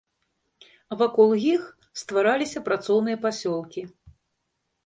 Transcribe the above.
Вакол іх ствараліся працоўныя пасёлкі.